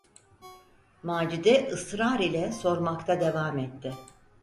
Macide ısrar ile sormakta devam etti: